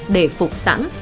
để phục sẵn